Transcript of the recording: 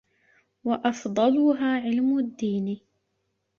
وَأَفْضَلُهَا عِلْمُ الدِّينِ